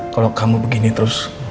kalo kamu begini terus